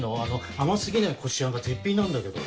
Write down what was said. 甘過ぎないこしあんが絶品なんだけど。